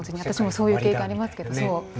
私もそういう経験ありますけど。